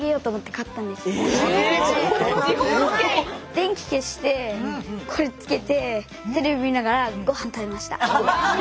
⁉電気消してこれつけてテレビ見ながらご飯食べました。